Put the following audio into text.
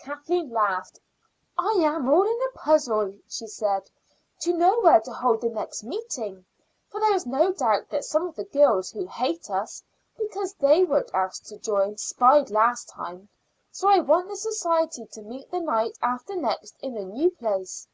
Kathleen laughed. "I am all in a puzzle," she said, "to know where to hold the next meeting, for there is no doubt that some of the girls who hate us because they weren't asked to join spied last time; so I want the society to meet the night after next in a new place."